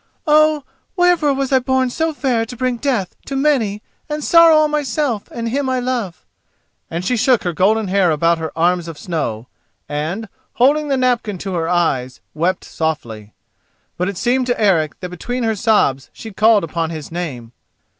"Oh, wherefore was I born so fair to bring death to many and sorrow on myself and him I love?" And she shook her golden hair about her arms of snow, and, holding the napkin to her eyes, wept softly. But it seemed to Eric that between her sobs she called upon his name.